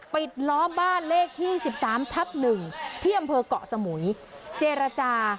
ปิดล้อบ้านเลขที่๑๓ทับ๑ที่อำเภอกเกาะสมุยเจรจา